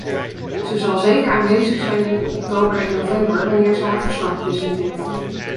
Ze zal zeker aanwezig zijn in oktober en november, wanneer ze haar verslag presenteert.